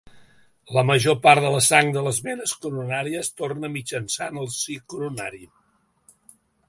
La major part de la sang de les venes coronàries torna mitjançant el si coronari.